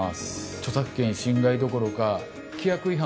著作権侵害どころか規約違反